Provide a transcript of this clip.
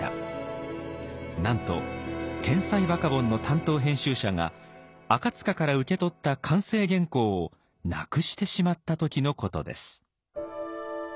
なんと「天才バカボン」の担当編集者が赤から受け取った完成原稿をなくしてしまった時のことです。